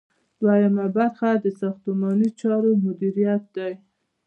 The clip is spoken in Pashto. دوهم برخه د ساختماني چارو مدیریت دی.